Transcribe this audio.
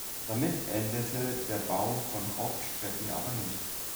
Damit endete der Bau von Hauptstrecken aber nicht.